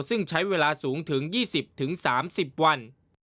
ซึ่งใช้เวลาสูงถึง๒๐๓๐วัน